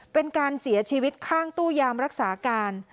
เป็นการเสียชีวิตข้างตู้ยามรักษาการ